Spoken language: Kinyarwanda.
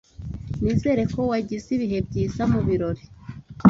Nizere ko wagize ibihe byiza mubirori.